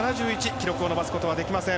記録を伸ばすことはできません。